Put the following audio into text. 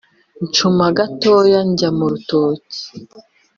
ncuma gatoya njya mu rutoki